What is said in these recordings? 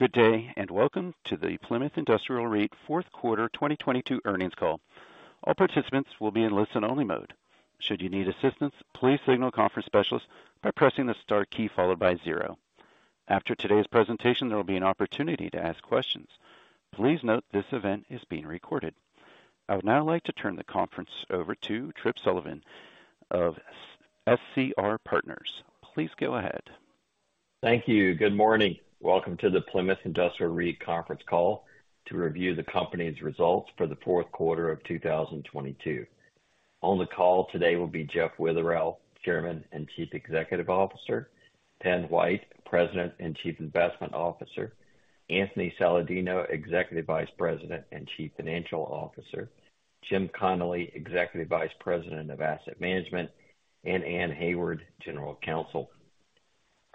Good day. Welcome to the Plymouth Industrial REIT Q4 2022 earnings call. All participants will be in listen-only mode. Should you need assistance, please signal the conference specialist by pressing the star key followed by 0. After today's presentation, there will be an opportunity to ask questions. Please note this event is being recorded. I would now like to turn the conference over to Tripp Sullivan of SCR Partners. Please go ahead. Thank you. Good morning. Welcome to the Plymouth Industrial REIT conference call to review the company's results for the Q4 of 2022. On the call today will be Jeff Witherell, Chairman and Chief Executive Officer, Pen White, President and Chief Investment Officer, Anthony Saladino, Executive Vice President and Chief Financial Officer, Jim Connolly, Executive Vice President of Asset Management, and Anne Hayward, General Counsel.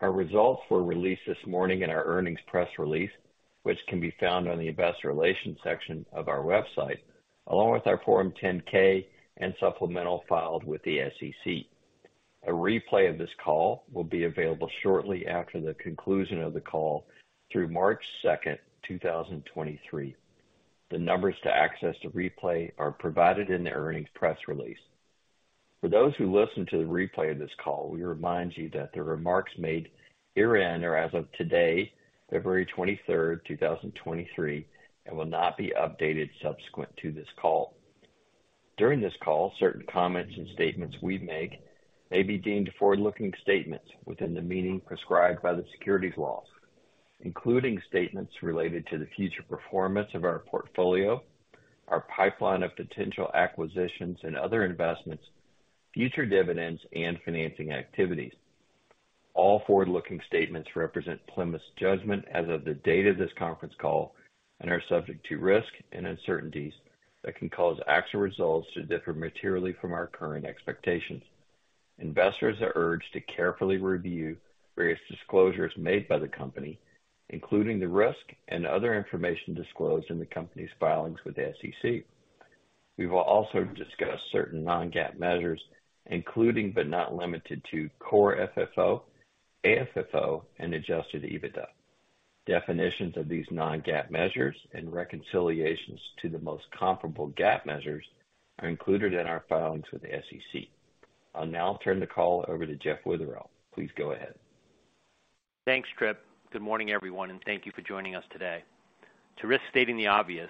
Our results were released this morning in our earnings press release, which can be found on the investor relations section of our website, along with our Form 10-K and supplemental filed with the SEC. A replay of this call will be available shortly after the conclusion of the call through March second, 2023. The numbers to access the replay are provided in the earnings press release. For those who listen to the replay of this call, we remind you that the remarks made herein are as of today, February 23rd, 2023, and will not be updated subsequent to this call. During this call, certain comments and statements we make may be deemed forward-looking statements within the meaning prescribed by the securities laws, including statements related to the future performance of our portfolio, our pipeline of potential acquisitions and other investments, future dividends and financing activities. All forward-looking statements represent Plymouth's judgment as of the date of this conference call and are subject to risks and uncertainties that can cause actual results to differ materially from our current expectations. Investors are urged to carefully review various disclosures made by the company, including the risk and other information disclosed in the company's filings with the SEC. We will also discuss certain non-GAAP measures, including, but not limited to Core FFO, AFFO and Adjusted EBITDA. Definitions of these non-GAAP measures and reconciliations to the most comparable GAAP measures are included in our filings with the SEC. I'll now turn the call over to Jeff Witherell. Please go ahead. Thanks, Tripp. Good morning, everyone, thank you for joining us today. To risk stating the obvious,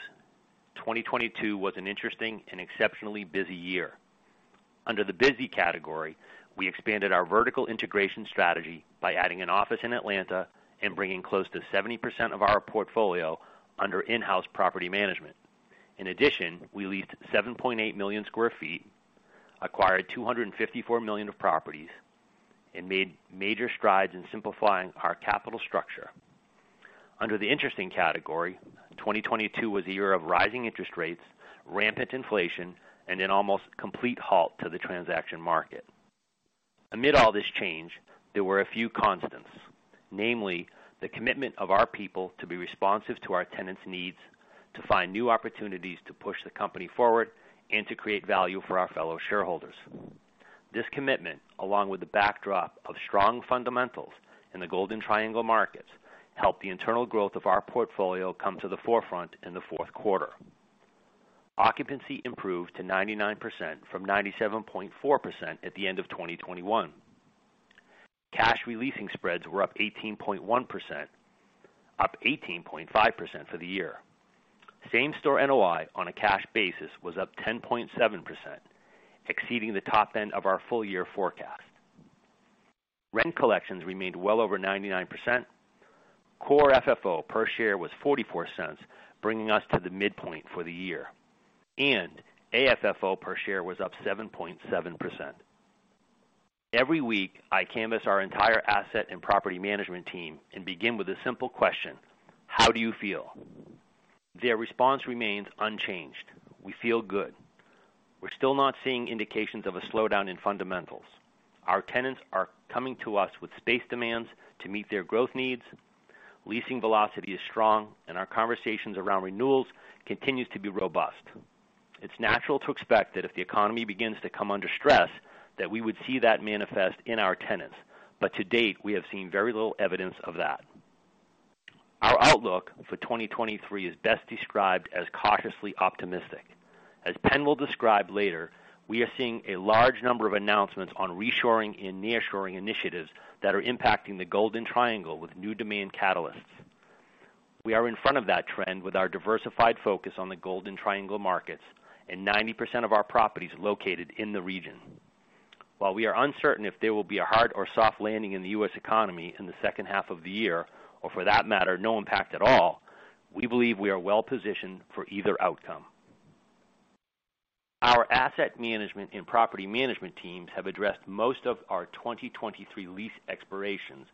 2022 was an interesting and exceptionally busy year. Under the busy category, we expanded our vertical integration strategy by adding an office in Atlanta and bringing close to 70% of our portfolio under in-house property management. We leased 7.8 million sq ft, acquired $254 million of properties, and made major strides in simplifying our capital structure. Under the interesting category, 2022 was a year of rising interest rates, rampant inflation, and an almost complete halt to the transaction market. Amid all this change, there were a few constants, namely the commitment of our people to be responsive to our tenants' needs, to find new opportunities to push the company forward and to create value for our fellow shareholders. This commitment, along with the backdrop of strong fundamentals in the Golden Triangle markets, helped the internal growth of our portfolio come to the forefront in the Q4. Occupancy improved to 99% from 97.4% at the end of 2021. Cash re-leasing spreads were up 18.1%, up 18.5% for the year. Same-store NOI on a cash basis was up 10.7%, exceeding the top end of our full year forecast. Rent collections remained well over 99%. Core FFO per share was $0.44, bringing us to the midpoint for the year. AFFO per share was up 7.7%. Every week, I canvass our entire asset and property management team and begin with a simple question: How do you feel? Their response remains unchanged. We feel good. We're still not seeing indications of a slowdown in fundamentals. Our tenants are coming to us with space demands to meet their growth needs. Leasing velocity is strong and our conversations around renewals continues to be robust. It's natural to expect that if the economy begins to come under stress, that we would see that manifest in our tenants. But to date, we have seen very little evidence of that. Our outlook for 2023 is best described as cautiously optimistic. As Pen will describe later, we are seeing a large number of announcements on Reshoring and nearshoring initiatives that are impacting the Golden Triangle with new demand catalysts. We are in front of that trend with our diversified focus on the Golden Triangle markets and 90% of our properties located in the region. While we are uncertain if there will be a hard or soft landing in the US economy in the second half of the year or for that matter, no impact at all, we believe we are well positioned for either outcome. Our asset management and property management teams have addressed most of our 2023 lease expirations,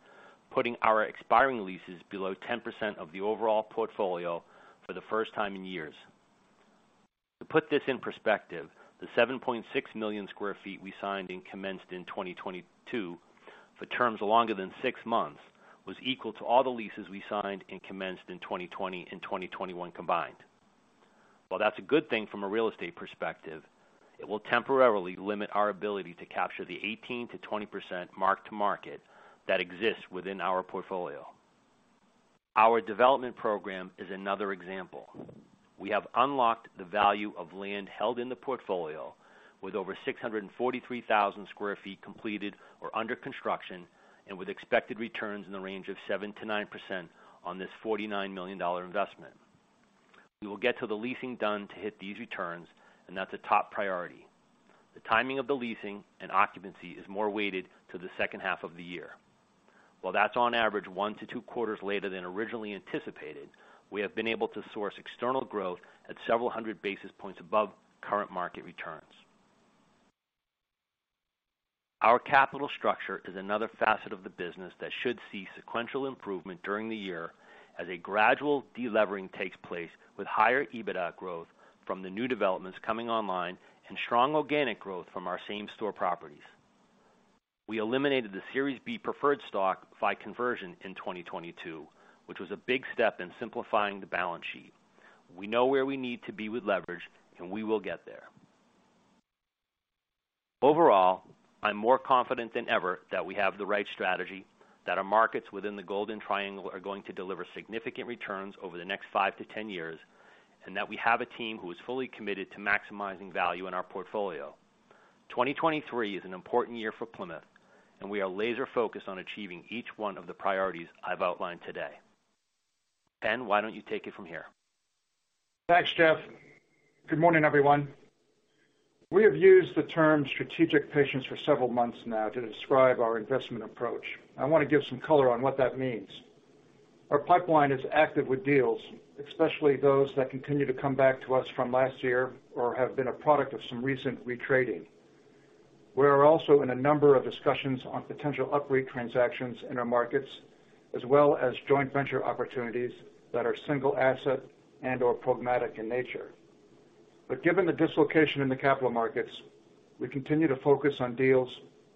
putting our expiring leases below 10% of the overall portfolio for the first time in years. To put this in perspective, the 7.6 million sq ft we signed and commenced in 2022 for terms longer than 6 months was equal to all the leases we signed and commenced in 2020 and 2021 combined. While that's a good thing from a real estate perspective, it will temporarily limit our ability to capture the 18%-20% mark-to-market that exists within our portfolio. Our development program is another example. We have unlocked the value of land held in the portfolio with over 643,000 sq ft completed or under construction. With expected returns in the range of 7%-9% on this $49 million investment, we will get to the leasing done to hit these returns. That's a top priority. The timing of the leasing and occupancy is more weighted to the second half of the year. That's on average 1-2 quarters later than originally anticipated, we have been able to source external growth at several hundred basis points above current market returns. Our capital structure is another facet of the business that should see sequential improvement during the year as a gradual de-levering takes place with higher EBITDA growth from the new developments coming online and strong organic growth from our same store properties. We eliminated the Series B preferred stock by conversion in 2022, which was a big step in simplifying the balance sheet. We know where we need to be with leverage. We will get there. Overall, I'm more confident than ever that we have the right strategy, that our markets within the Golden Triangle are going to deliver significant returns over the next 5-10 years, and that we have a team who is fully committed to maximizing value in our portfolio. 2023 is an important year for Plymouth. We are laser-focused on achieving each one of the priorities I've outlined today. .Pen, why don't you take it from here? Thanks, Jeff. Good morning, everyone. We have used the term strategic patience for several months now to describe our investment approach. I want to give some color on what that means. Our pipeline is active with deals, especially those that continue to come back to us from last year or have been a product of some recent retrading. We are also in a number of discussions on potential upgrade transactions in our markets, as well as joint venture opportunities that are single asset and/or programmatic in nature. Given the dislocation in the capital markets, we continue to focus on deals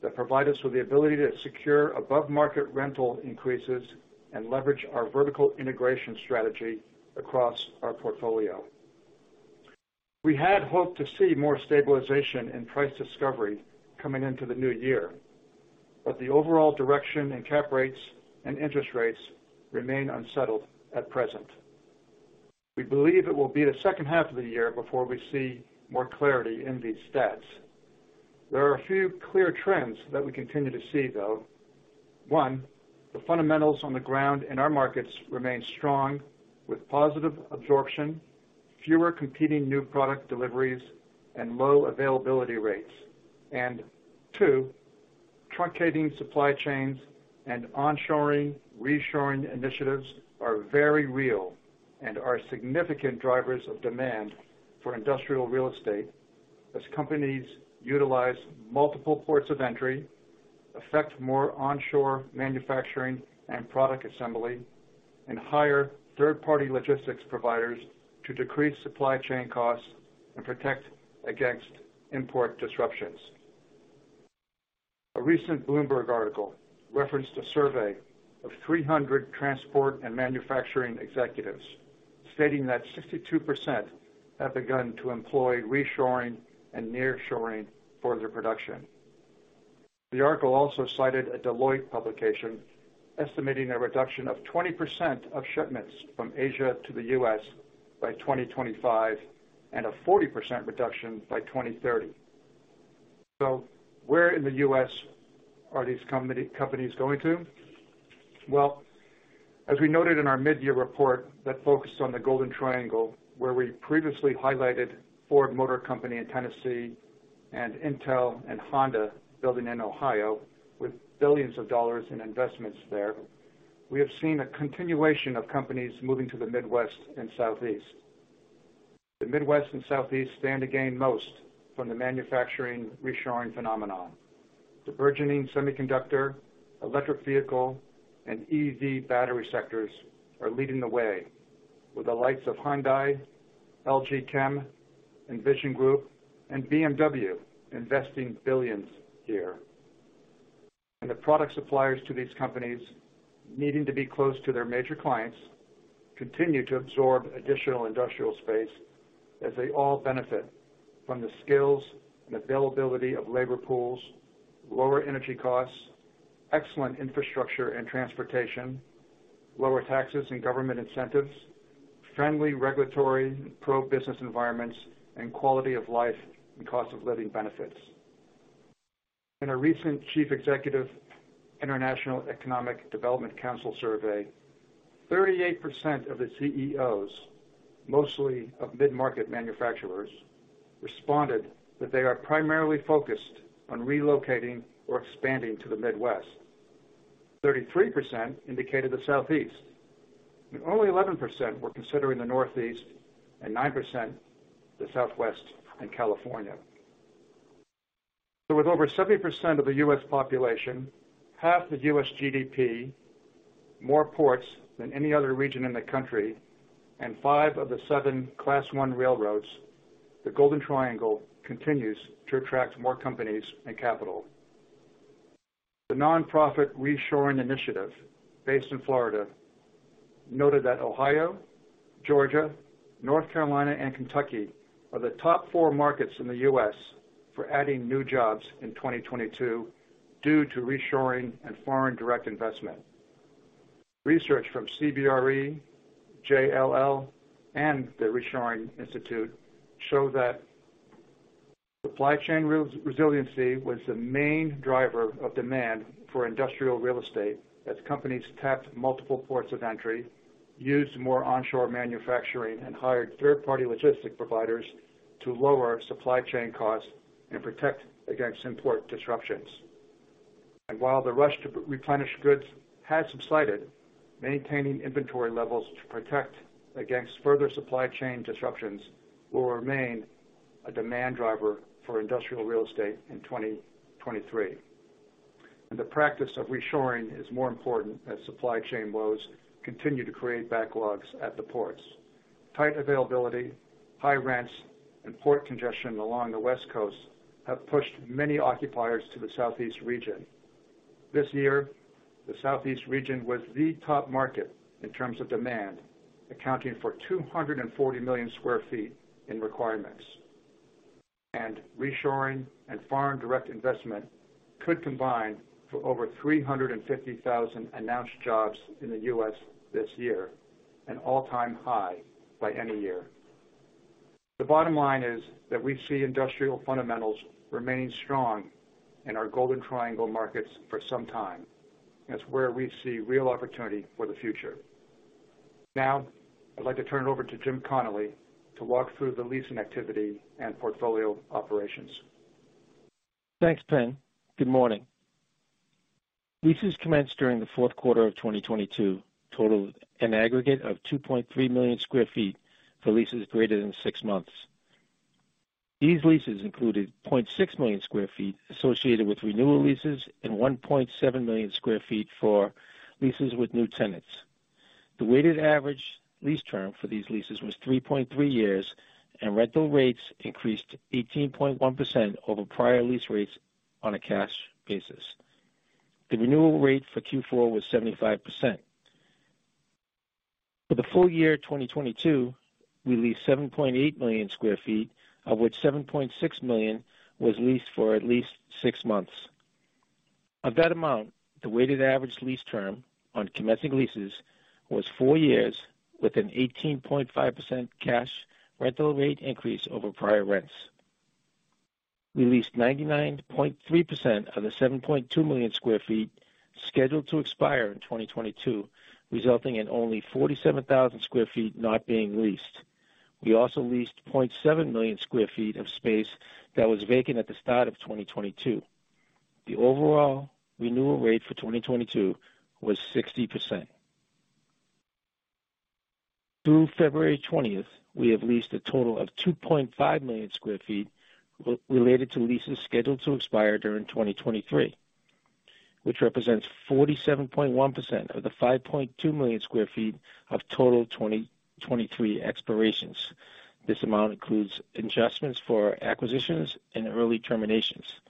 that provide us with the ability to secure above-market rental increases and leverage our vertical integration strategy across our portfolio. We had hoped to see more stabilization in price discovery coming into the new year, the overall direction in cap rates and interest rates remain unsettled at present. We believe it will be the second half of the year before we see more clarity in these stats. There are a few clear trends that we continue to see, though. One, the fundamentals on the ground in our markets remain strong with positive absorption, fewer competing new product deliveries, and low availability rates. Two, truncating supply chains and onshoring, reshoring initiatives are very real and are significant drivers of demand for industrial real estate as companies utilize multiple ports of entry, affect more onshore manufacturing and product assembly, and hire third-party logistics providers to decrease supply chain costs and protect against import disruptions. A recent Bloomberg article referenced a survey of 300 transport and manufacturing executives stating that 62% have begun to employ reshoring and nearshoring for their production. The article also cited a Deloitte publication estimating a reduction of 20% of shipments from Asia to the U.S. by 2025 and a 40% reduction by 2030. Where in the U.S. are these companies going to? Well, as we noted in our mid-year report that focused on the Golden Triangle, where we previously highlighted Ford Motor Company in Tennessee and Intel and Honda building in Ohio with billions of dollars in investments there, we have seen a continuation of companies moving to the Midwest and Southeast. The Midwest and Southeast stand to gain most from the manufacturing reshoring phenomenon. The burgeoning semiconductor, electric vehicle, and EV battery sectors are leading the way with the likes of Hyundai, LG Chem, Envision Group, and BMW investing billions here. The product suppliers to these companies, needing to be close to their major clients, continue to absorb additional industrial space as they all benefit from the skills and availability of labor pools, lower energy costs, excellent infrastructure and transportation, lower taxes and government incentives, friendly regulatory pro-business environments, and quality of life and cost of living benefits. In a recent Chief Executive International Economic Development Council survey, 38% of the CEOs, mostly of mid-market manufacturers, responded that they are primarily focused on relocating or expanding to the Midwest. 33% indicated the Southeast, and only 11% were considering the Northeast and 9% the Southwest and California. With over 70% of the U.S. population, half the U.S. GDP, more ports than any other region in the country, and five of the seven Class 1 railroads, the Golden Triangle continues to attract more companies and capital. The nonprofit Reshoring Initiative, based in Florida, noted that Ohio, Georgia, North Carolina, and Kentucky are the top four markets in the U.S. for adding new jobs in 2022 due to reshoring and foreign direct investment. Research from CBRE, JLL, and the Reshoring Institute show that supply chain resiliency was the main driver of demand for industrial real estate as companies tapped multiple ports of entry, used more onshore manufacturing, and hired third-party logistic providers to lower supply chain costs and protect against import disruptions. While the rush to replenish goods has subsided, maintaining inventory levels to protect against further supply chain disruptions will remain a demand driver for industrial real estate in 2023. The practice of reshoring is more important as supply chain woes continue to create backlogs at the ports. Tight availability, high rents, and port congestion along the West Coast have pushed many occupiers to the Southeast region. This year, the Southeast region was the top market in terms of demand, accounting for 240 million sq ft in requirements. Reshoring and foreign direct investment could combine for over 350,000 announced jobs in the U.S. this year, an all-time high by any year. The bottom line is that we see industrial fundamentals remaining strong in our Golden Triangle markets for some time. That's where we see real opportunity for the future. Now, I'd like to turn it over to Jim Connolly to walk through the leasing activity and portfolio operations. Thanks, Pen. Good morning. Leases commenced during the Q4 of 2022 totaled an aggregate of 2.3 million sq ft for leases greater than 6 months. These leases included 0.6 million sq ft associated with renewal leases and 1.7 million sq ft for leases with new tenants. The weighted average lease term for these leases was 3.3 years, rental rates increased 18.1% over prior lease rates on a cash basis. The renewal rate for Q4 was 75%. For the full year 2022, we leased 7.8 million sq ft, of which 7.6 million was leased for at least 6 months. Of that amount, the weighted average lease term on commencing leases was 4 years with an 18.5% cash rental rate increase over prior rents. We leased 99.3% of the 7.2 million sq ft scheduled to expire in 2022, resulting in only 47,000 sq ft not being leased. We also leased 0.7 million sq ft of space that was vacant at the start of 2022. The overall renewal rate for 2022 was 60%. Through February 20th, we have leased a total of 2.5 million sq ft related to leases scheduled to expire during 2023, which represents 47.1% of the 5.2 million sq ft of total 2023 expirations. This amount includes adjustments for acquisitions and early terminations.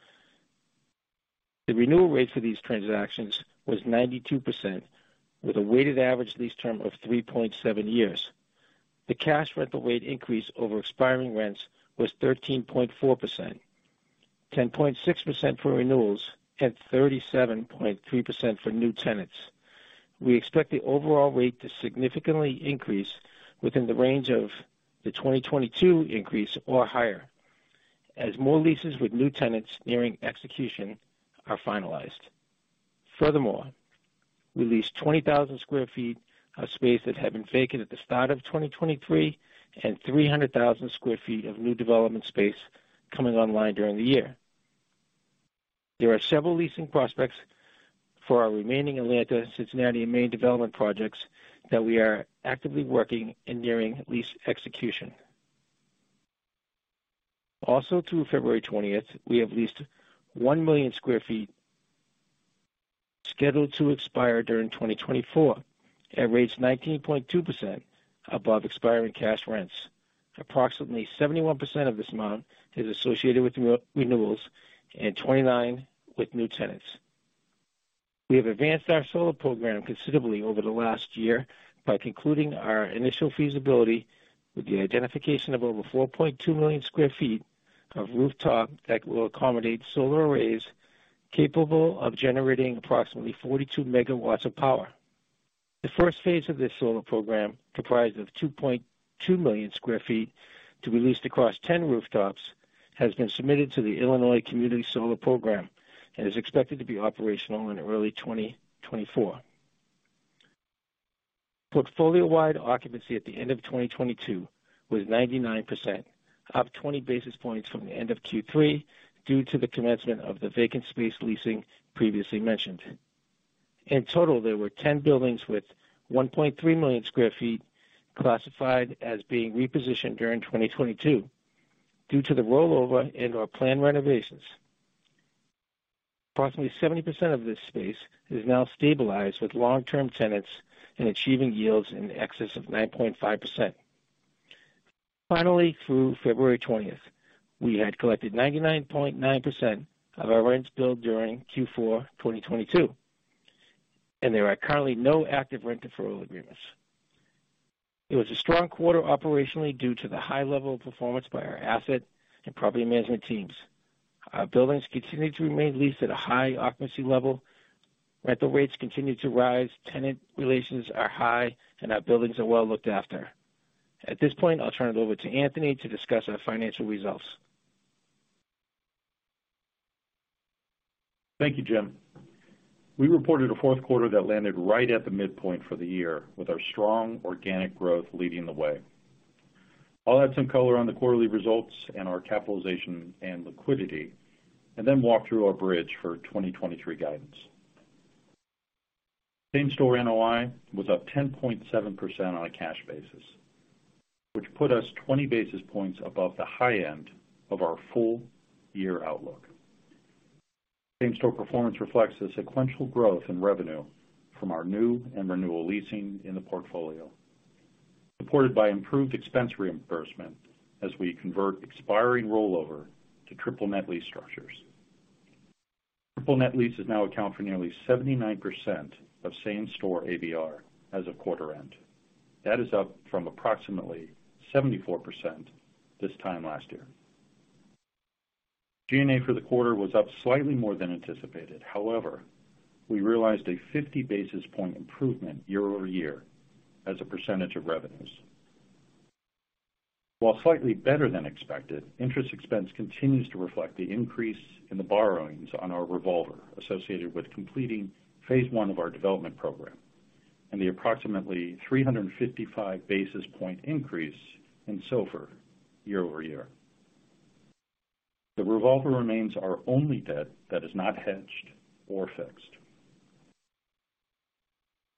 The renewal rate for these transactions was 92%, with a weighted average lease term of 3.7 years. The cash rental rate increase over expiring rents was 13.4%, 10.6% for renewals, and 37.3% for new tenants. We expect the overall rate to significantly increase within the range of the 2022 increase or higher as more leases with new tenants nearing execution are finalized. Furthermore, we leased 20,000 sq ft of space that had been vacant at the start of 2023 and 300,000 sq ft of new development space coming online during the year. There are several leasing prospects for our remaining Atlanta, Cincinnati, and Maine development projects that we are actively working and nearing lease execution. Through February 20th, we have leased 1 million sq ft scheduled to expire during 2024 at rates 19.2% above expiring cash rents. Approximately 71% of this amount is associated with re-renewals and 29 with new tenants. We have advanced our solar program considerably over the last year by concluding our initial feasibility with the identification of over 4.2 million sq ft of rooftop that will accommodate solar arrays capable of generating approximately 42 MW of power. The first phase of this solar program, comprised of 2.2 million sq ft to be leased across 10 rooftops, has been submitted to the Illinois Community Solar Program and is expected to be operational in early 2024. Portfolio-wide occupancy at the end of 2022 was 99%, up 20 basis points from the end of Q3 due to the commencement of the vacant space leasing previously mentioned. In total, there were 10 buildings with 1.3 million sq ft classified as being repositioned during 2022 due to the rollover and/or planned renovations. Approximately 70% of this space is now stabilized with long-term tenants and achieving yields in excess of 9.5%. Through February 20th, we had collected 99.9% of our rents billed during Q4 2022, and there are currently no active rent deferral agreements. It was a strong quarter operationally due to the high level of performance by our asset and property management teams. Our buildings continued to remain leased at a high occupancy level. Rental rates continued to rise, tenant relations are high, and our buildings are well looked after. At this point, I'll turn it over to Anthony to discuss our financial results. Thank you, Jim. We reported a Q4 that landed right at the midpoint for the year with our strong organic growth leading the way. I'll add some color on the quarterly results and our capitalization and liquidity. Then walk through our bridge for 2023 guidance. Same-store NOI was up 10.7% on a cash basis, which put us 20 basis points above the high end of our full year outlook. Same-store performance reflects the sequential growth in revenue from our new and renewal leasing in the portfolio, supported by improved expense reimbursement as we convert expiring rollover to Triple Net lease structures. Triple Net lease is now account for nearly 79% of same-store ABR as of quarter end. That is up from approximately 74% this time last year. G&A for the quarter was up slightly more than anticipated. However, we realized a 50 basis point improvement year over year as a % of revenues. While slightly better than expected, interest expense continues to reflect the increase in the borrowings on our revolver associated with completing phase one of our development program and the approximately 355 basis point increase in SOFR year over year. The revolver remains our only debt that is not hedged or fixed.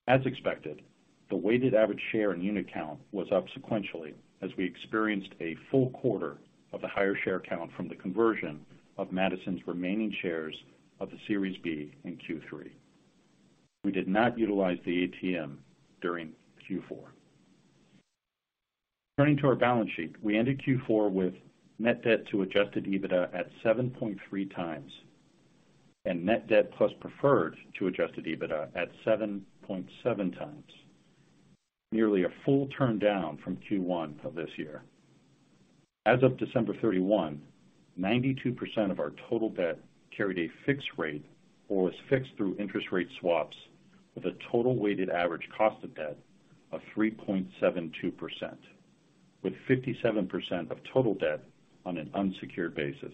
As expected, the weighted average share in unit count was up sequentially as we experienced a full quarter of the higher share count from the conversion of Madison's remaining shares of the Series B in Q3. We did not utilize the ATM during Q4. Turning to our balance sheet, we ended Q4 with Net Debt to Adjusted EBITDA at 7.3 times, and Net Debt plus preferred to Adjusted EBITDA at 7.7 times. Nearly a full turn down from Q1 of this year. As of December 31, 92% of our total debt carried a fixed rate or was fixed through interest rate swaps with a total weighted average cost of debt of 3.72%, with 57% of total debt on an unsecured basis.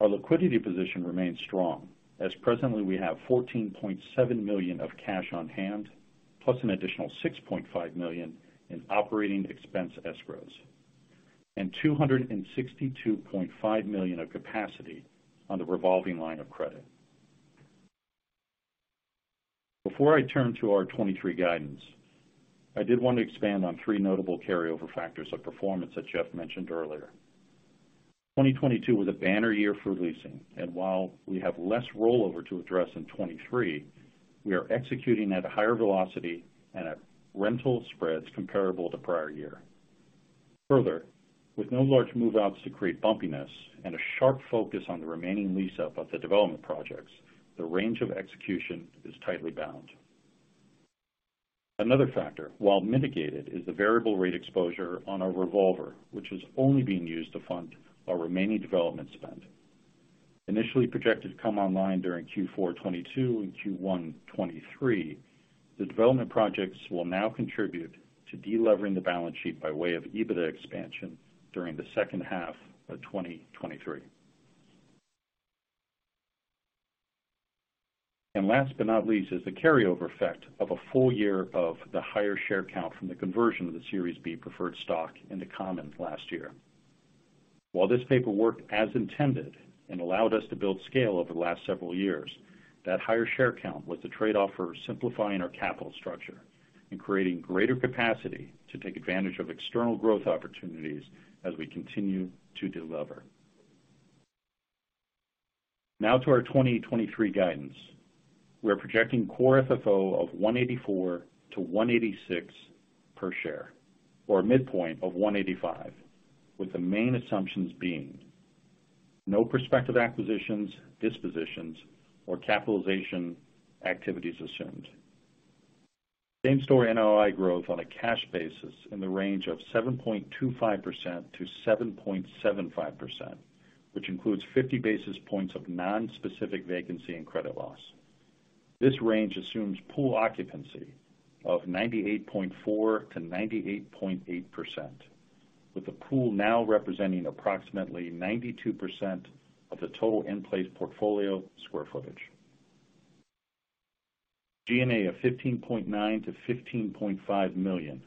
Our liquidity position remains strong as presently we have $14.7 million of cash on hand, plus an additional $6.5 million in OpEx escrows, and $262.5 million of capacity on the revolving line of credit. Before I turn to our 2023 guidance, I did want to expand on 3 notable carryover factors of performance that Jeff mentioned earlier. 2022 was a banner year for leasing. While we have less rollover to address in 2023, we are executing at a higher velocity and at rental spreads comparable to prior year. Further, with no large move-outs to create bumpiness and a sharp focus on the remaining lease up of the development projects, the range of execution is tightly bound. Another factor, while mitigated, is the variable rate exposure on our revolver, which is only being used to fund our remaining development spend. Initially projected to come online during Q4 2022 and Q1 2023, the development projects will now contribute to de-levering the balance sheet by way of EBITDA expansion during the second half of 2023. Last but not least is the carryover effect of a full year of the higher share count from the conversion of the Series B preferred stock into common last year. This paperwork as intended and allowed us to build scale over the last several years, that higher share count was the trade-off for simplifying our capital structure and creating greater capacity to take advantage of external growth opportunities as we continue to delever. To our 2023 guidance. We are projecting Core FFO of $1.84-$1.86 per share, or a midpoint of $1.85, with the main assumptions being no prospective acquisitions, dispositions, or capitalization activities assumed. Same-store NOI growth on a cash basis in the range of 7.25%-7.75%, which includes 50 basis points of nonspecific vacancy and credit loss. This range assumes pool occupancy of 98.4%-98.8%, with the pool now representing approximately 92% of the total in-place portfolio square footage. G&A of $15.9 million-$15.5 million,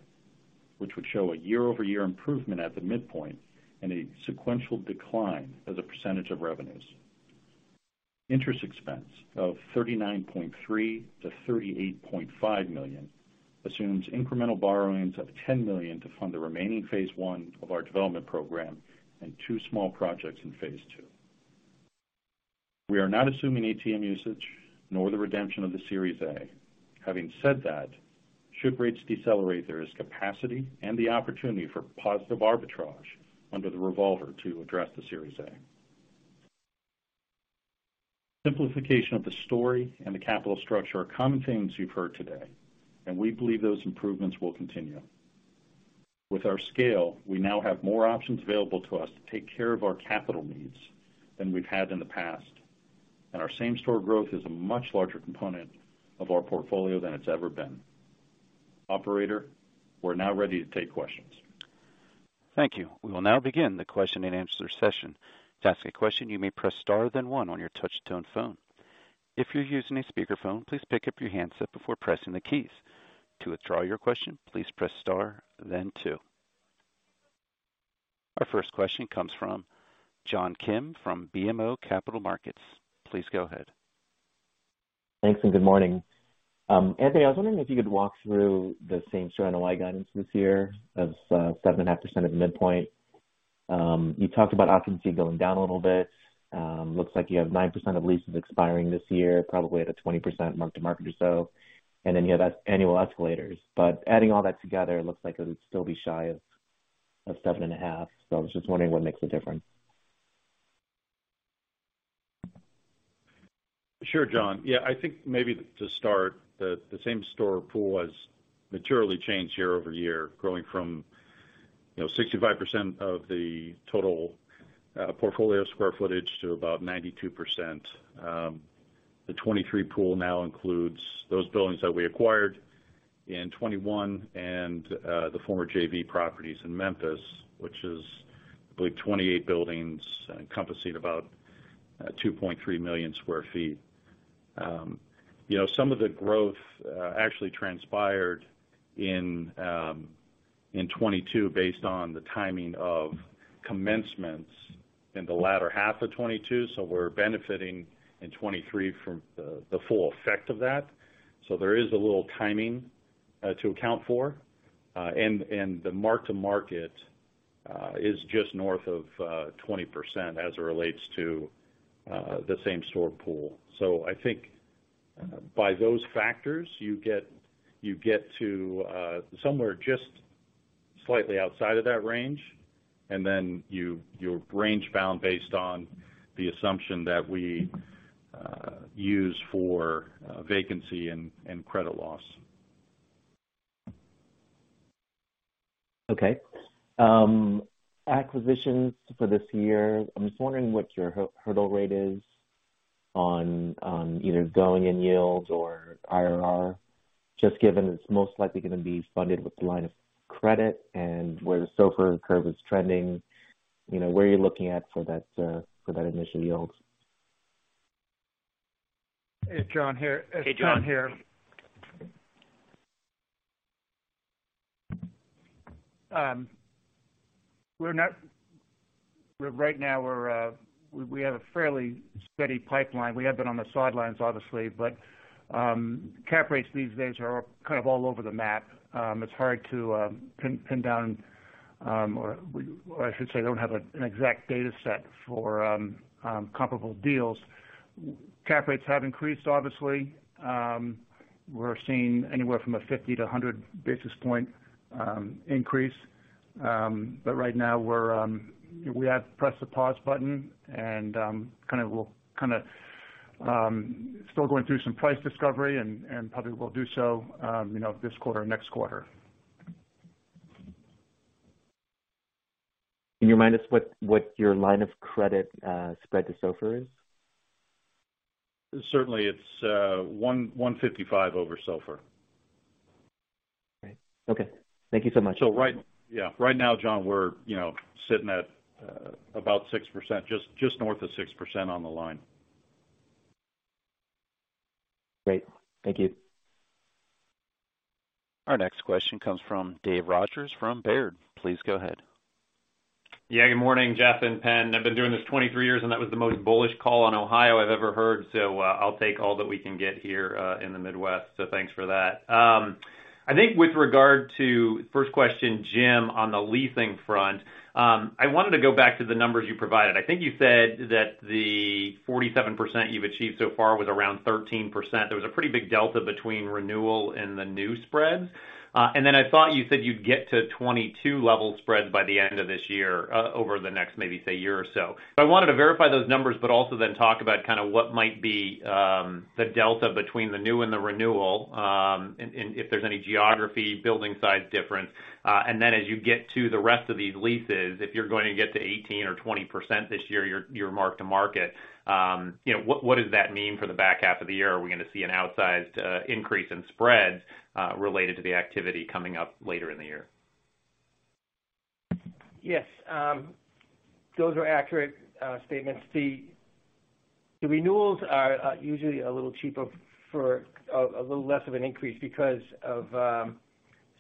which would show a year-over-year improvement at the midpoint and a sequential decline as a percentage of revenues. Interest expense of $39.3 million-$38.5 million assumes incremental borrowings of $10 million to fund the remaining phase 1 of our development program and 2 small projects in phase 2. We are not assuming ATM usage nor the redemption of the Series A. Having said that, should rates decelerate, there is capacity and the opportunity for positive arbitrage under the revolver to address the Series A. Simplification of the story and the capital structure are common themes you've heard today, we believe those improvements will continue. With our scale, we now have more options available to us to take care of our capital needs than we've had in the past. Our same-store growth is a much larger component of our portfolio than it's ever been. Operator, we're now ready to take questions. Thank you. We will now begin the question-and-answer session. To ask a question, you may press star, then one on your touchtone phone. If you're using a speakerphone, please pick up your handset before pressing the keys. To withdraw your question, please press star, then two. Our first question comes from John Kim from BMO Capital Markets. Please go ahead. Thanks and good morning. Anthony, I was wondering if you could walk through the same-store NOI guidance this year of 7.5% at midpoint. You talked about occupancy going down a little bit. Looks like you have 9% of leases expiring this year, probably at a 20% mark-to-market or so, and then you have that annual escalators. Adding all that together, it looks like it would still be shy of 7.5. I was just wondering what makes a difference. Sure, John. Yeah, I think maybe to start, the same-store pool has materially changed year-over-year, growing from, you know, 65% of the total portfolio square footage to about 92%. The '23 pool now includes those buildings that we acquired in '21 and the former JV properties in Memphis, which is, I believe, 28 buildings encompassing about 2.3 million sq ft. You know, some of the growth actually transpired in '22 based on the timing of commencements in the latter half of '22, we're benefiting in '23 from the full effect of that. There is a little timing to account for, and the mark-to-market is just north of 20% as it relates to the same-store pool. I think by those factors, you get to somewhere just slightly outside of that range, and then you're range-bound based on the assumption that we use for vacancy and credit loss. Okay. Acquisitions for this year, I'm just wondering what your hurdle rate is on either going in yields or IRR, just given it's most likely gonna be funded with the line of credit and where the SOFR curve is trending, you know, where you're looking at for that, for that initial yields? It's John here. Hey, John. It's John here. Right now, we have a fairly steady pipeline. We have been on the sidelines obviously, but cap rates these days are kind of all over the map. It's hard to pin down or I should say, I don't have an exact data set for comparable deals. Cap rates have increased obviously. We're seeing anywhere from a 50 to 100 basis point increase. Right now we're we have pressed the pause button and still going through some price discovery and probably will do so, you know, this quarter or next quarter. Can you remind us what your line of credit, spread to SOFR is? Certainly, it's 155 over SOFR. Okay. Thank you so much. Right now, John, we're, you know, sitting at about 6%, just north of 6% on the line. Great. Thank you. Our next question comes from Dave Rodgers from Baird. Please go ahead. Yeah. Good morning, Jeff and Penn. I've been doing this 23 years. That was the most bullish call on Ohio I've ever heard. I'll take all that we can get here in the Midwest. Thanks for that. I think with regard to first question, Jim, on the leasing front, I wanted to go back to the numbers you provided. I think you said that the 47% you've achieved so far was around 13%. There was a pretty big delta between renewal and the new spreads. I thought you said you'd get to 22 level spreads by the end of this year, over the next, maybe, say, year or so. I wanted to verify those numbers, but also then talk about kind of what might be the delta between the new and the renewal, and if there's any geography, building size difference. As you get to the rest of these leases, if you're going to get to 18% or 20% this year, your mark-to-market, you know, what does that mean for the back half of the year? Are we gonna see an outsized increase in spreads related to the activity coming up later in the year? Yes. Those are accurate statements. The renewals are usually a little cheaper for a little less of an increase because of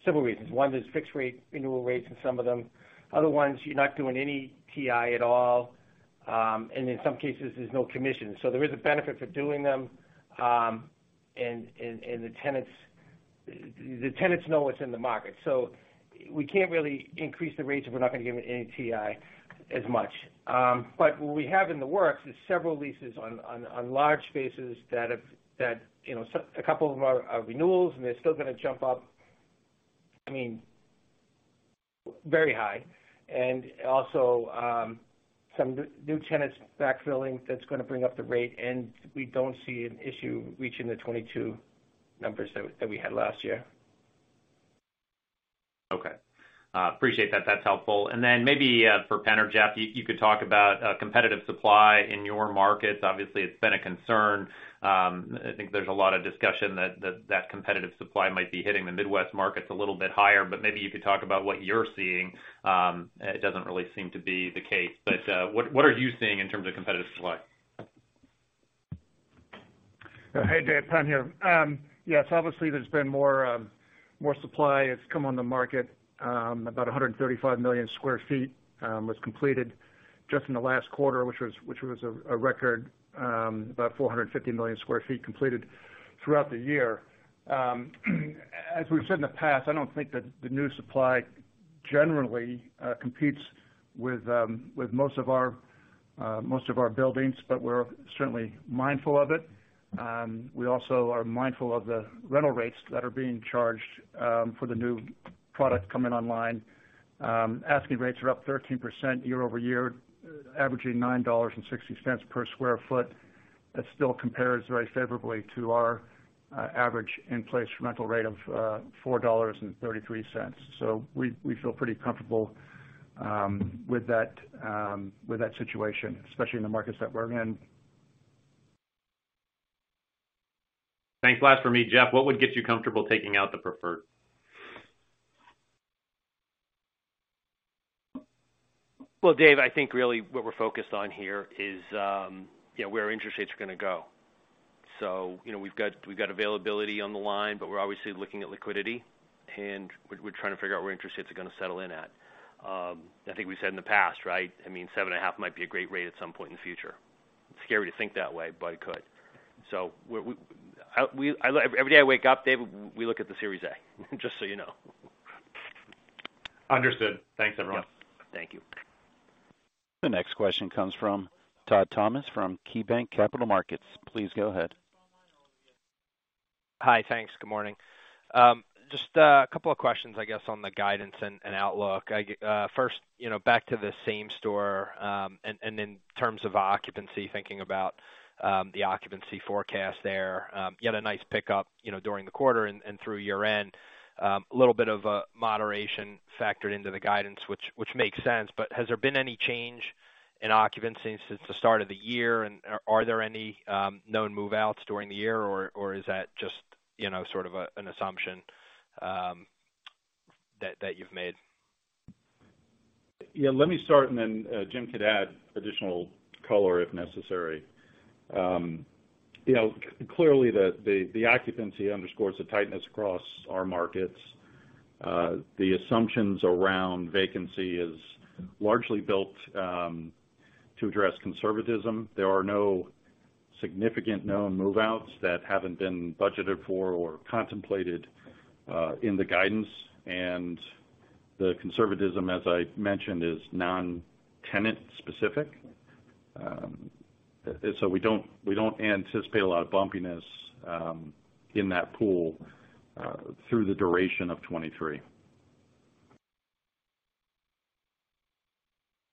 several reasons. One is fixed rate renewal rates in some of them. Other ones, you're not doing any TI at all. In some cases, there's no commission. There is a benefit for doing them, and the tenants The tenants know what's in the market, so we can't really increase the rates if we're not gonna give it any TI as much. What we have in the works is several leases on large spaces that, you know, a couple of them are renewals, and they're still gonna jump up, I mean, very high. Also, some new tenants backfilling that's gonna bring up the rate, and we don't see an issue reaching the 22 numbers that we had last year. Okay. Appreciate that. That's helpful. Maybe for Pen or Jeff, you could talk about competitive supply in your markets. Obviously, it's been a concern. I think there's a lot of discussion that competitive supply might be hitting the Midwest markets a little bit higher. Maybe you could talk about what you're seeing, it doesn't really seem to be the case. What are you seeing in terms of competitive supply? Hey, Dave. Penn here. Yes, obviously, there's been more, more supply that's come on the market, about 135 million sq ft was completed just in the last quarter, which was a record, about 450 million sq ft completed throughout the year. As we've said in the past, I don't think that the new supply generally competes with most of our most of our buildings, but we're certainly mindful of it. We also are mindful of the rental rates that are being charged for the new product coming online. Asking rates are up 13% year-over-year, averaging $9.60 per sq ft. That still compares very favorably to our average in-place rental rate of $4.33. We feel pretty comfortable with that, with that situation, especially in the markets that we're in. Thanks. Last for me. Jeff, what would get you comfortable taking out the preferred? Dave, I think really what we're focused on here is, you know, where interest rates are gonna go. You know, we've got availability on the line, but we're obviously looking at liquidity, and we're trying to figure out where interest rates are gonna settle in at. I think we've said in the past, right? I mean, 7.5 might be a great rate at some point in the future. It's scary to think that way, but it could. Every day I wake up, Dave, we look at the Series A, just so you know. Understood. Thanks, everyone. Thank you. The next question comes from Todd Thomas from KeyBanc Capital Markets. Please go ahead. Hi. Thanks. Good morning. Just a couple of questions, I guess, on the guidance and outlook. First, you know, back to the same store, and in terms of occupancy, thinking about, the occupancy forecast there. You had a nice pickup, you know, during the quarter and through year-end. A little bit of a moderation factored into the guidance, which makes sense. Has there been any change in occupancy since the start of the year, and are there any, known move-outs during the year, or is that just, you know, sort of a, an assumption, that you've made? Yeah, let me start, and then Jim could add additional color if necessary. You know, clearly the occupancy underscores the tightness across our markets. The assumptions around vacancy is largely built to address conservatism. There are no significant known move-outs that haven't been budgeted for or contemplated in the guidance. The conservatism, as I mentioned, is non-tenant specific. We don't, we don't anticipate a lot of bumpiness in that pool through the duration of 2023.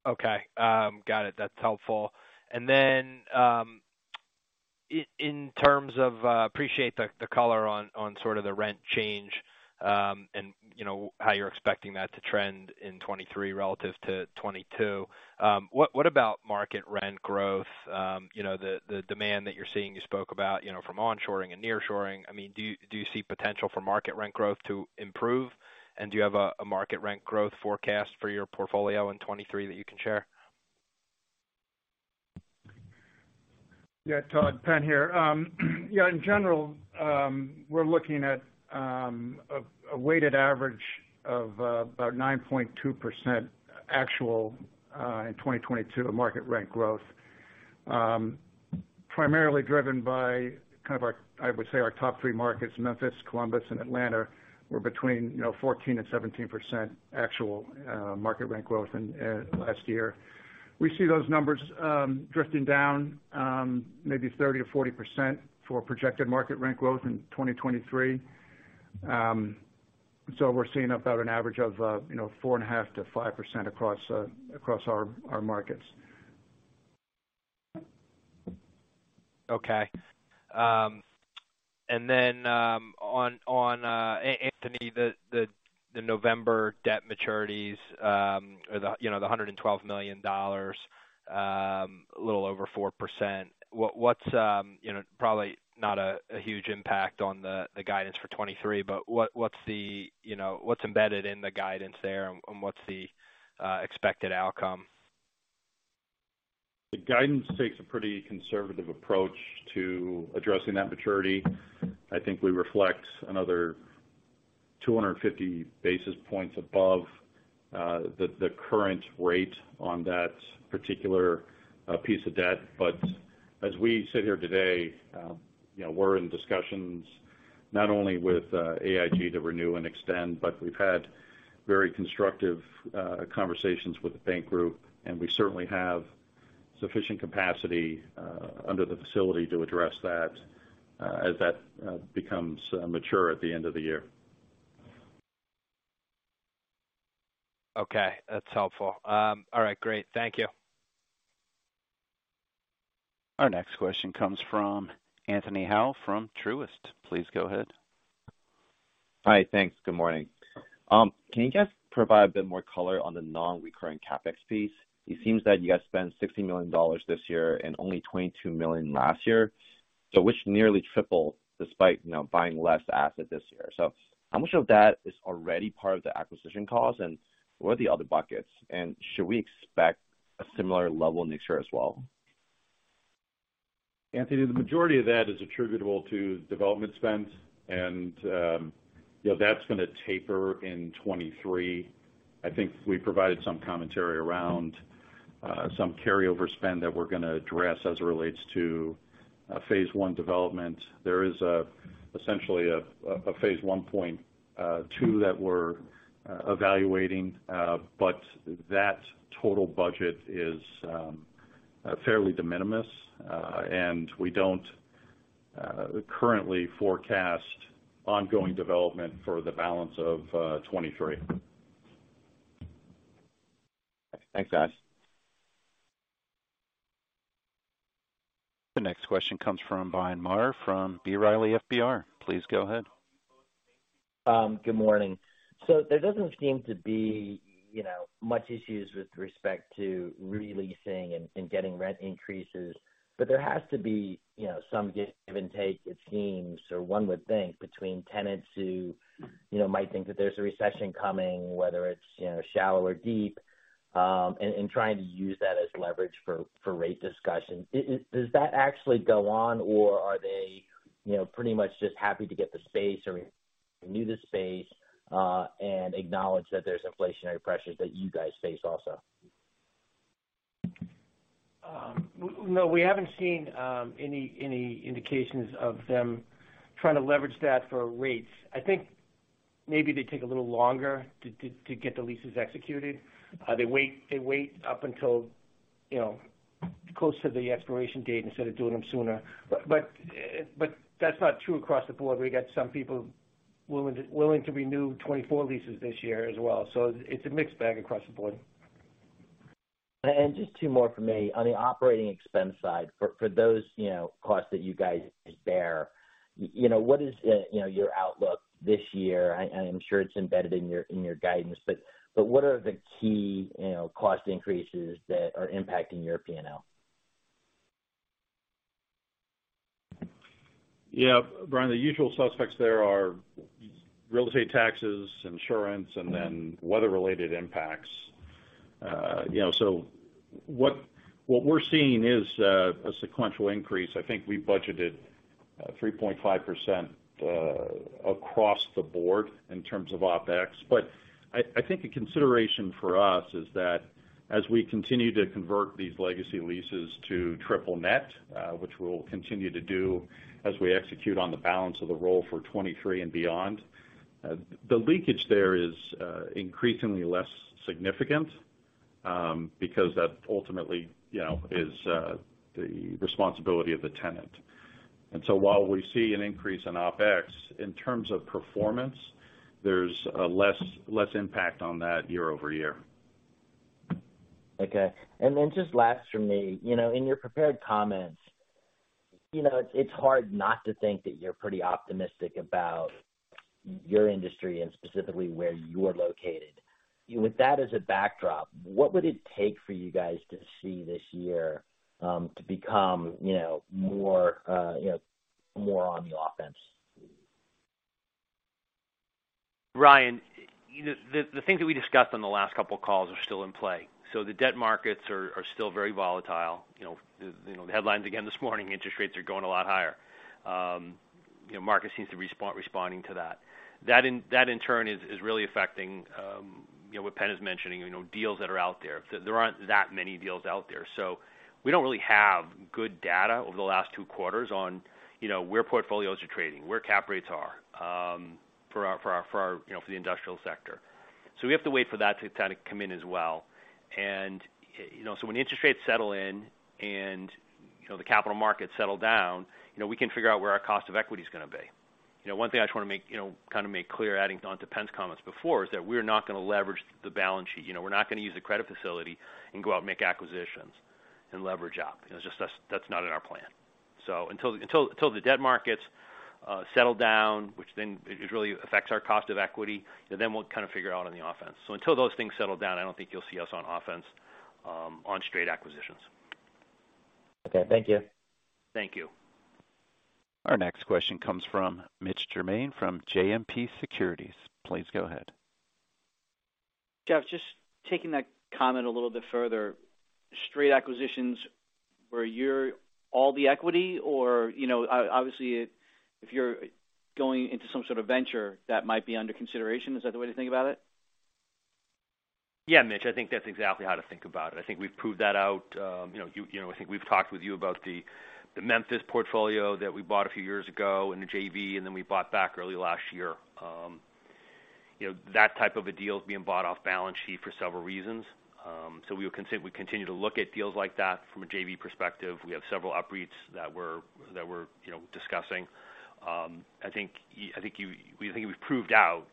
Okay. Got it. That's helpful. In terms of, appreciate the color on sort of the rent change, and you know, how you're expecting that to trend in 2023 relative to 2022. What about market rent growth? You know, the demand that you're seeing, you spoke about, you know, from on-shoring and near-shoring. I mean, do you see potential for market rent growth to improve? Do you have a market rent growth forecast for your portfolio in 2023 that you can share? Yeah, Todd, Pen here. Yeah, in general, we're looking at a weighted average of about 9.2% actual in 2022 of market rent growth. primarily driven by kind of our, I would say our top three markets, Memphis, Columbus, and Atlanta, were between, you know, 14% and 17% actual market rent growth last year. We see those numbers drifting down maybe 30% to 40% for projected market rent growth in 2023. we're seeing about an average of, you know, 4.5% to 5% across our markets. Okay. Then, on Anthony Saladino, the November debt maturities, or the, you know, the $112 million, a little over 4%. What's, you know, probably not a huge impact on the guidance for 2023, but what's the, you know, what's embedded in the guidance there and, what's the expected outcome? The guidance takes a pretty conservative approach to addressing that maturity. I think we reflect another 250 basis points above, the current rate on that particular piece of debt. As we sit here today, you know, we're in discussions not only with AIG to renew and extend, but we've had very constructive conversations with the bank group. We certainly have sufficient capacity under the facility to address that as that becomes mature at the end of the year. That's helpful. All right, great. Thank you. Our next question comes from Anthony Howe from Truist. Please go ahead. Hi. Thanks. Good morning. Can you guys provide a bit more color on the non-recurring CapEx piece? It seems that you guys spent $60 million this year and only $22 million last year, which nearly tripled despite, you know, buying less asset this year. How much of that is already part of the acquisition cost, and what are the other buckets? Should we expect a similar level next year as well? Anthony, the majority of that is attributable to development spend and, you know, that's gonna taper in 2023. I think we provided some commentary around some carryover spend that we're gonna address as it relates to phase 1 development. There is a, essentially a phase 1.2 that we're evaluating, but that total budget is fairly de minimis. We don't currently forecast ongoing development for the balance of 2023. Thanks, guys. The next question comes from Bryan Maher from B. Riley Securities. Please go ahead. Good morning. There doesn't seem to be, you know, much issues with respect to re-leasing and getting rent increases. There has to be, you know, some give and take it seems, or one would think, between tenants who, you know, might think that there's a recession coming, whether it's, you know, shallow or deep, and trying to use that as leverage for rate discussions. Does that actually go on, or are they, you know, pretty much just happy to get the space or renew the space, and acknowledge that there's inflationary pressures that you guys face also? no, we haven't seen any indications of them trying to leverage that for rates. I think maybe they take a little longer to get the leases executed. They wait up until, you know, close to the expiration date instead of doing them sooner. That's not true across the board. We got some people willing to renew 2024 leases this year as well. It's a mixed bag across the board. Just two more from me. On the operating expense side, for those, you know, costs that you guys bear, you know, what is, you know, your outlook this year? I am sure it's embedded in your guidance, but what are the key, you know, cost increases that are impacting your P&L? Yeah. Bryan, the usual suspects there are real estate taxes, insurance, and then weather-related impacts. You know, what we're seeing is a sequential increase. I think we budgeted 3.5% across the board in terms of OpEx. I think a consideration for us is that as we continue to convert these legacy leases to Triple Net, which we'll continue to do as we execute on the balance of the roll for 2023 and beyond, the leakage there is increasingly less significant, because that ultimately, you know, is the responsibility of the tenant. While we see an increase in OpEx, in terms of performance, there's less impact on that year-over-year. Okay. Then just last from me, you know, in your prepared comments, you know, it's hard not to think that you're pretty optimistic about your industry and specifically where you're located. With that as a backdrop, what would it take for you guys to see this year, to become, you know, more, you know, more on the offense? Ryan, the thing that we discussed on the last couple of calls are still in play. The debt markets are still very volatile. You know, the headlines again this morning, interest rates are going a lot higher. You know, market seems to responding to that. That in turn is really affecting, you know, what Pen is mentioning, you know, deals that are out there. There aren't that many deals out there. We don't really have good data over the last two quarters on, you know, where portfolios are trading, where cap rates are, for our, you know, for the industrial sector. We have to wait for that to kind of come in as well. You know, so when interest rates settle in and, you know, the capital markets settle down, you know, we can figure out where our cost of equity is gonna be. You know, one thing I just wanna make, you know, kind of make clear, adding on to Penn's comments before, is that we're not gonna leverage the balance sheet. You know, we're not gonna use the credit facility and go out and make acquisitions and leverage up. You know, just that's not in our plan. Until the debt markets settle down, which then it really affects our cost of equity, and then we'll kind of figure out on the offense. Until those things settle down, I don't think you'll see us on offense on straight acquisitions. Okay. Thank you. Thank you. Our next question comes from Mitch Germain from JMP Securities. Please go ahead. Jeff, just taking that comment a little bit further. Straight acquisitions where you're all the equity or, you know, obviously if you're going into some sort of venture that might be under consideration, is that the way to think about it? Yeah, Mitch, I think that's exactly how to think about it. I think we've proved that out. You know, you know, I think we've talked with you about the Memphis portfolio that we bought a few years ago in the JV, and then we bought back early last year. You know, that type of a deal is being bought off balance sheet for several reasons. We continue to look at deals like that from a JV perspective. We have several UPREITs that we're, you know, discussing. I think we think we've proved out,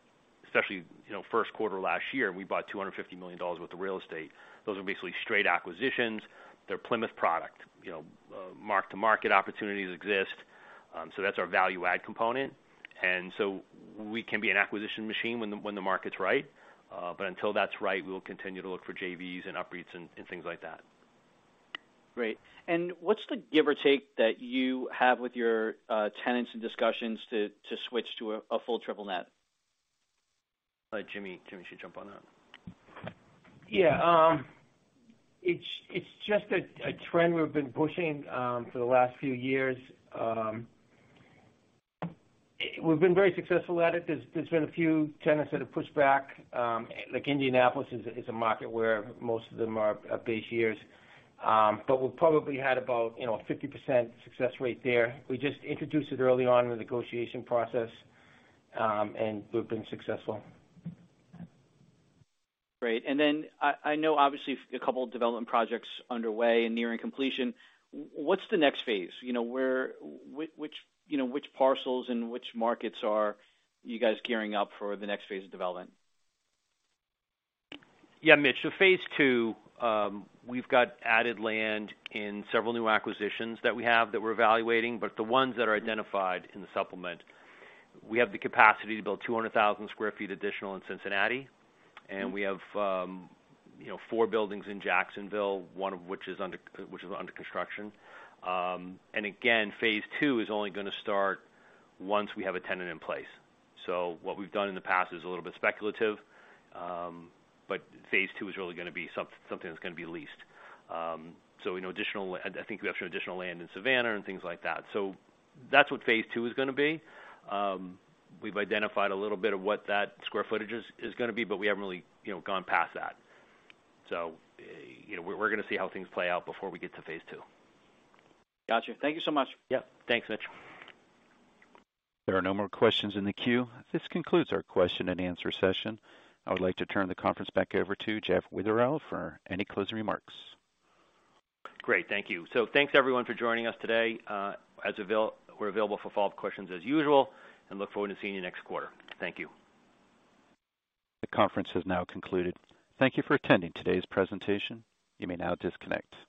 especially, you know, Q1 last year, we bought $250 million worth of real estate. Those are basically straight acquisitions. They're Plymouth product. You know, mark-to-market opportunities exist. That's our value add component. We can be an acquisition machine when the market's right. Until that's right, we will continue to look for JVs and UPREITs and things like that. Great. What's the give or take that you have with your tenants and discussions to switch to a full Triple Net? Jimmy. Jimmy should jump on that. Yeah, it's just a trend we've been pushing for the last few years. We've been very successful at it. There's been a few tenants that have pushed back. Like Indianapolis is a market where most of them are base years. We've probably had about, you know, 50% success rate there. We just introduced it early on in the negotiation process, and we've been successful. Great. Then I know obviously a couple development projects underway and nearing completion. What's the next phase? You know, which, you know, which parcels and which markets are you guys gearing up for the next phase of development? Yeah, Mitch. Phase two, we've got added land in several new acquisitions that we have that we're evaluating. The ones that are identified in the supplement, we have the capacity to build 200,000 sq ft additional in Cincinnati. We have, you know, four buildings in Jacksonville, one of which is under construction. Again, phase two is only going to start once we have a tenant in place. What we've done in the past is a little bit speculative, but phase two is really going to be something that's going to be leased. We know additional land. I think we have some additional land in Savannah and things like that. That's what phase two is going to be. we've identified a little bit of what that square footage is gonna be, but we haven't really, you know, gone past that. You know, we're gonna see how things play out before we get to phase 2. Gotcha. Thank you so much. Yeah. Thanks, Mitch. There are no more questions in the queue. This concludes our question and answer session. I would like to turn the conference back over to Jeff Witherell for any closing remarks. Great, thank you. Thanks, everyone for joining us today. We're available for follow-up questions as usual, and look forward to seeing you next quarter. Thank you. The conference has now concluded. Thank you for attending today's presentation. You may now disconnect.